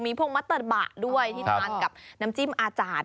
พวกมัตตะบะด้วยที่ทานกับน้ำจิ้มอาจารย์